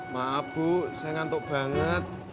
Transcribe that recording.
maaf bu saya ngantuk banget